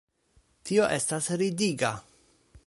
Tio estas ridiga.